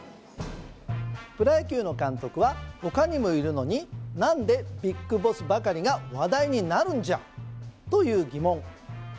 プロ野球の監督は他にもいるのになんでＢＩＧＢＯＳＳばかりが話題になるんじゃ？という疑問